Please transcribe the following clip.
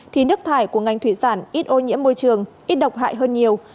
thì nước thải của ngành thủy sản ít ô nhiễm môi trường ít độc hại hơn nhiều